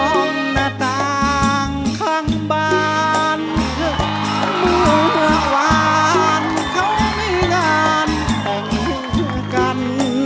มองหน้าต่างข้างบ้านเมื่อเมื่อวานเขามีงานมองอยู่กัน